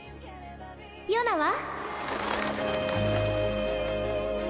ヨナは？